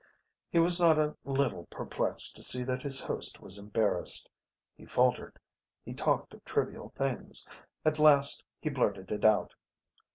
He was not a little perplexed to see that his host was embarrassed. He faltered. He talked of trivial things. At last he blurted it out.